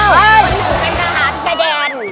วันนี้เป็นรหัสแสดง